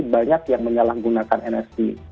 banyak yang menyalahgunakan nft